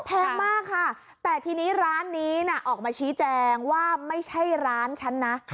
แพงมากค่ะแต่ทีนี้ร้านนี้ออกมาชี้แจงว่าไม่ใช่ร้านฉันนะ